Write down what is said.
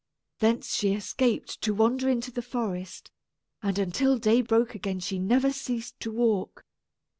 Thence she escaped to wander into the forest, and until day broke again she never ceased to walk.